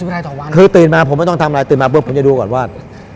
๓๐ไลน์จ่งวันคือตื่นมาผมไม่ต้องทำอะไรตื่นมาช่วยยังดูก่อนว่า